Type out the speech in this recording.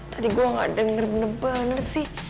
tadi gua gak denger bener bener sih